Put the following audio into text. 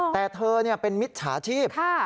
แต่เธอเนี่ยเป็นมิตรสาชีพ